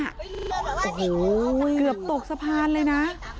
โอ้โหเกือบตกสะพานเลยนะ